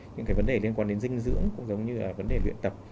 những cái vấn đề liên quan đến dinh dưỡng cũng giống như là vấn đề luyện tập